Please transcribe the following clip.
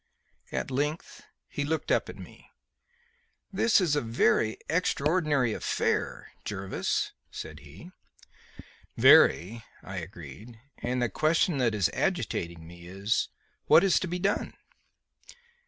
At length he looked up at me. "This is a very extraordinary affair, Jervis," he said. "Very," I agreed; "and the question that is agitating me is, what is to be done?"